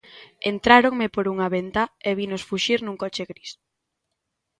Entráronme por unha ventá e vinos fuxir nun coche gris.